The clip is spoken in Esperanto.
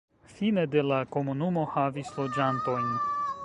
Fine de la komunumo havis loĝantojn.